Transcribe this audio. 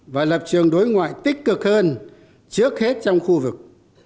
và lập trường đối ngoại tích cực hơn trước hết trong khu vực